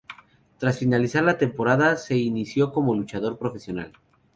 Tras finalizar la temporada se inició como luchador profesional.